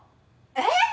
えっ！？